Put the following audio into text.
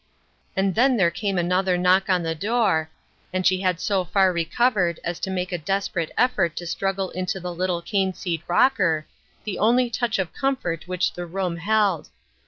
And then there came another knock at the door, and she had so far recovered as to make a desperate effort to struggle into the small cane seat rocker, the only touch of comfort which the room held.